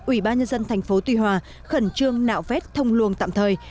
ủy ban nhân dân thành phố tuy hòa khẩn trương nạo vét thông luồng tạm thời